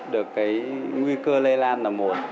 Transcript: được cái nguy cơ lây lan là một